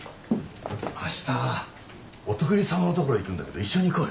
あしたお得意さまのところ行くんだけど一緒に行こうよ。